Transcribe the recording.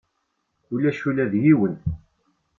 Ulac ula d yiwen.